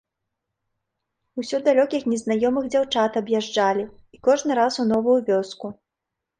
Усё далёкіх незнаёмых дзяўчат аб'язджалі, і кожны раз у новую вёску.